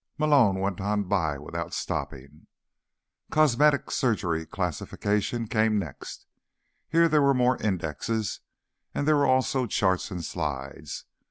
Malone went on by without stopping. Cosmetic Surgery Classification came next. Here there were more indexes, and there were also charts and slides.